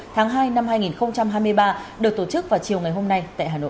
tháng hai năm hai nghìn hai mươi ba được tổ chức vào chiều ngày hôm nay tại hà nội